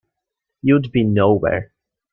You’d be nowhere.